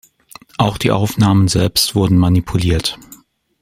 Auch die Aufnahmen selbst wurden manipuliert.